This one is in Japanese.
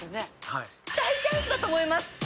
はい大チャンスだと思います